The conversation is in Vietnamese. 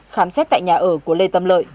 khám xét tại nhà ở của lê tâm lợi